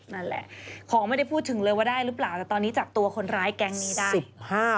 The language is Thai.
นั่นแหละของไม่ได้พูดถึงเลยว่าได้หรือเปล่าแต่ตอนนี้จับตัวคนร้ายแก๊งนี้ได้